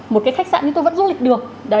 một cái khách sạn nhưng tôi vẫn du lịch được